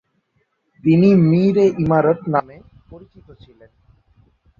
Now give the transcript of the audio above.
তিনি মীর-ই-ইমারত নামে পরিচিত ছিলেন।